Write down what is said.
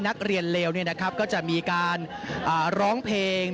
นักเรียนเลวเนี่ยนะครับก็จะมีการร้องเพลง